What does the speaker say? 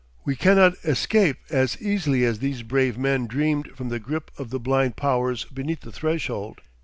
We cannot escape as easily as these brave men dreamed from the grip of the blind powers beneath the threshold.